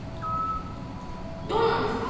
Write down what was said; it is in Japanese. どうなんですか？